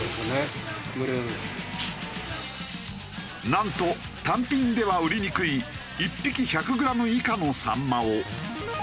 なんと単品では売りにくい１匹１００グラム以下のサンマを。